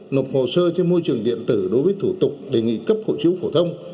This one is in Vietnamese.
nộp hồ sơ trên môi trường điện tử đối với thủ tục đề nghị cấp hộ chiếu phổ thông